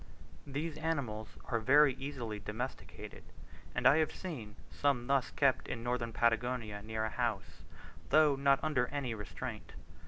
These animals are very easily domesticated, and I have seen some thus kept in northern Patagonia near a house, though not under any restraint.